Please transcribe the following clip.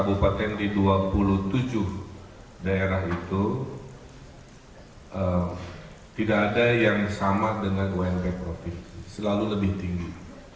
kabupaten di dua puluh tujuh daerah itu tidak ada yang sama dengan ump provinsi selalu lebih tinggi